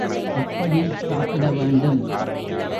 எப்படி சாப்பிட வேண்டும்?